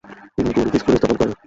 তিনি কুড়িটি স্কুুল স্থাপন করেন।